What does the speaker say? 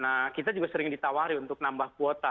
nah kita juga sering ditawari untuk nambah kuota